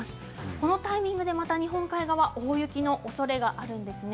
このタイミングで、また日本海側大雪のおそれがあるんですね。